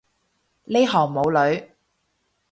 呢行冇女